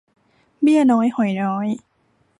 เบี้ยน้อยหอยน้อย